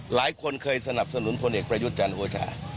หลายคนเคยสนับสนุนพลเอกประยุทธ์จันทร์โอชา